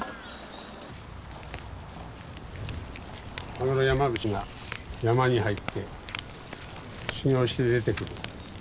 羽黒山伏が山に入って修行して出てくる。